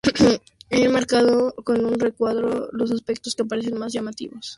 He marcado con un recuadro los aspectos que parecen más llamativos